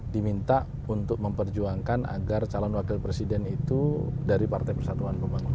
diminta untuk memperjuangkan agar calon wakil presiden itu dari partai persatuan pembangunan